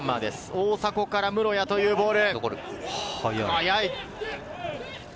大迫から室屋へというボール。